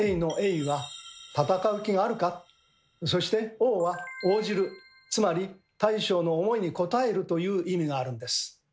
このようにつまり大将の思いに応えるという意味があるんです。